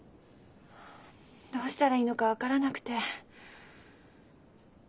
どうしたらいいのか分からなくて。